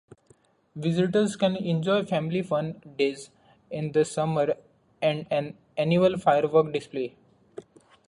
Visitors can enjoy family fun days in the summer and an annual firework display.